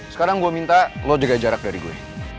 sekarang gue minta lo jaga jarak dari gue